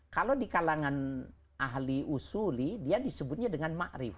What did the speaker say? kalau di kalangan ahli usuli dia disebutnya dengan ma'rif